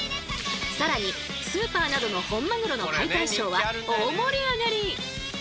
更にスーパーなどの本マグロの解体ショーは大盛り上がり！